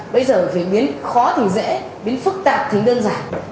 bây giờ phải biến khó thành dễ biến phức tạp thành đơn giản